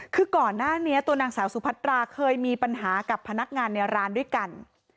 คือก่อนหน้านี้ตัวนางสาวสุพัตราเคยมีปัญหากับพนักงานในร้านด้วยกัน